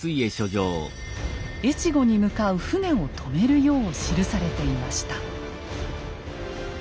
越後に向かう船を止めるよう記されていました。